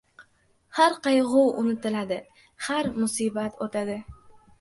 • Har qayg‘u unutiladi, har musibat o‘tadi.